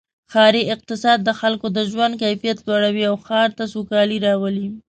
ښاري اقتصاد د خلکو د ژوند کیفیت لوړوي او ښار ته سوکالي راولي.